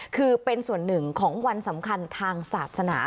คือเป็นส่วนหนึ่งของวันสำคัญทางศาสนา